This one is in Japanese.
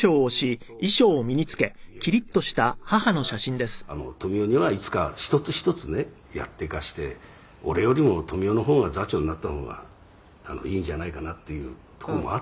「ですから富美男にはいつか一つ一つねやっていかせて俺よりも富美男の方が座長になった方がいいんじゃないかなっていうとこもあったわけですよ」